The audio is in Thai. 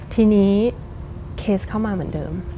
ทีนี้เคสเข้ามาเหมือนเดิม